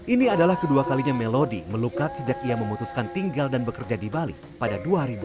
ini adalah kedua kalinya melody melukak sejak ia memutuskan tinggal dan bekerja di bali pada dua ribu tujuh belas